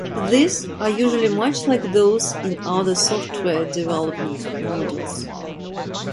These are usually much like those in other software development models.